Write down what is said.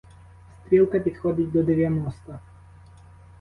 Стрілка підходить до дев'яноста.